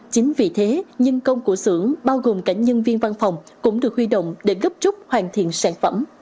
chính vì thế nhân công của xưởng bao gồm cả nhân viên văn phòng cũng được huy động để gấp trúc hoàn thiện sản phẩm